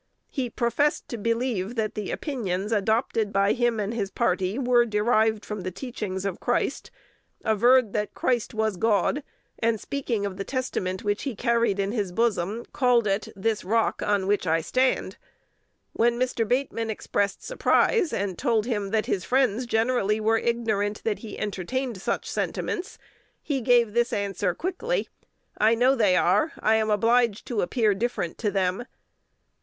He professed to believe that the opinions adopted by him and his party were derived from the teachings of Christ; averred that Christ was God; and, speaking of the Testament which he carried in his bosom, called it "this rock, on which him I stand." When Mr. Bateman expressed surprise, and told him that his friends generally were ignorant that he entertained such sentiments, he gave this answer quickly: "I know they are: I am obliged to appear different to them."